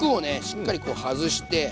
しっかりこう外して。